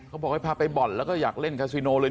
เขาบอกให้พาไปบ่อนแล้วก็อยากเล่นคาซิโนเลย